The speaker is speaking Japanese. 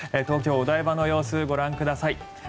東京・お台場の様子ご覧ください。